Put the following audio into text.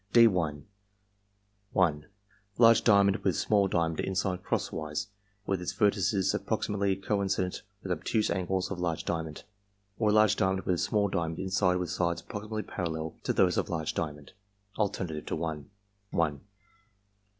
(d») 1. Large diamond with small diamond inside crosswise with its vertices approximately coincident with obtuse angles of large diamond; or large diamond with small diamond inside with sides approximately parallel to those of large diamond (alternative to 1) 1 2.